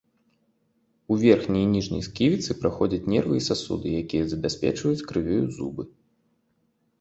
У верхняй і ніжняй сківіцы праходзяць нервы і сасуды, якія забяспечваюць крывёю зубы.